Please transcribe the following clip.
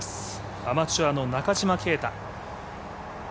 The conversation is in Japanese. アマチュアの中島啓太。